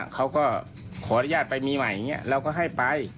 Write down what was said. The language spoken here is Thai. เขาก็ขออนุญาตไปมีใหม่อย่างนี้เราก็ให้ไป